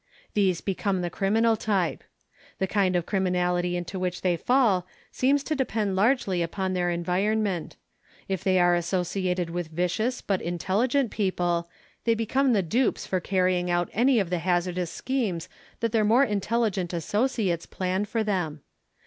These become the criminal type. The kind of criminality into which they fall seems to depend largely upon their environ ment. If they are associated with vicious but intelli gent people, they become the dupes for carrying out any of the hazardous schemes that their more intelli 5 6 THE KALLIKAK FAMILY gent associates plan for them.